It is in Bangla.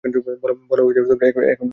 বল, এখন চুপ হয়ে গেলে কেন?